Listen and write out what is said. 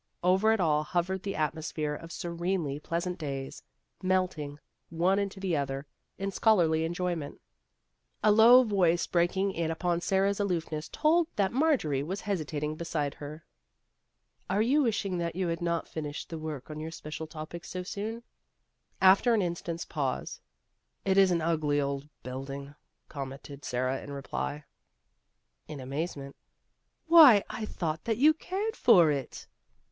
Over it all hovered the atmosphere of serenely pleasant days, melting one into the other in scholarly enjoyment. A low voice breaking in upon Sara's aloofness told that Marjorie was hesitating One of the Girls 289 beside her. " Are you wishing that you had not finished the work on your special topic so soon ?" After an instant's pause, " It is an ugly old building," commented Sara in reply. In amazement, " Why, I thought that you cared for it